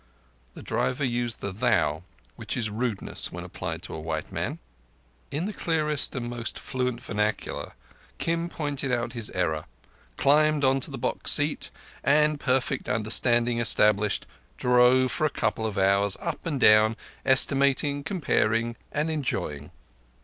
The driver used the "thou", which is rudeness when applied to a white man. In the clearest and most fluent vernacular Kim pointed out his error, climbed on to the box seat, and, perfect understanding established, drove for a couple of hours up and down, estimating, comparing, and enjoying.